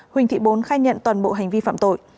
huỳnh thị bốn khai nhận toàn bộ hành vi phạm tội